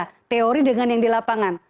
ada teori dengan yang di lapangan